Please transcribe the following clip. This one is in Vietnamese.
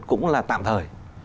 cũng là tạm thời